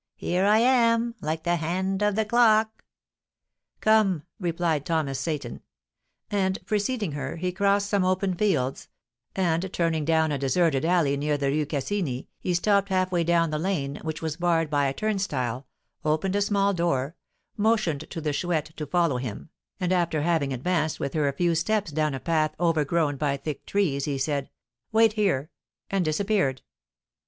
"Here I am, like the hand of the clock." "Come," replied Thomas Seyton. And, preceding her, he crossed some open fields; and turning down a deserted alley near the Rue Cassini, he stopped half way down the lane, which was barred by a turnstile, opened a small door, motioned to the Chouette to follow him; and, after having advanced with her a few steps down a path overgrown by thick trees, he said, "Wait here," and disappeared.